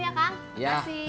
makasih ya kang